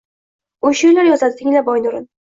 U sheʼrlar yozadi, tinglab oy nurin –